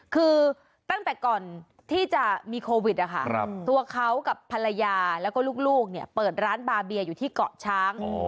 คือตั้งแต่ก่อนที่จะมีโควิดนะคะตัวเขากับภรรยาแล้วก็ลูกเปิดร้านบาเบียอยู่ที่เกาะช้าง